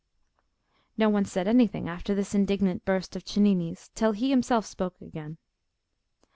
No one said anything after this indignant burst of Cennini's till he himself spoke again.